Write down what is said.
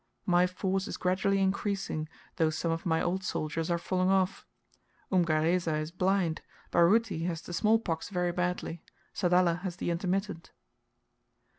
My force is gradually increasing, though some of my old soldiers are falling off. Umgareza is blind; Baruti has the small pox very badly; Sadala has the intermittent.